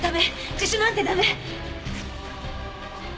自首なんて駄目！